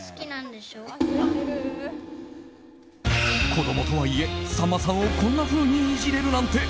子供とはいえ、さんまさんをこんなふうにイジれるなんて。